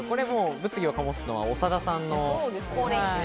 物議を醸すのは長田さんです。